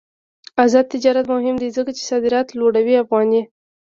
آزاد تجارت مهم دی ځکه چې صادرات لوړوي افغاني.